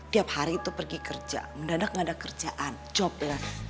tiap hari itu pergi kerja mendadak gak ada kerjaan jobless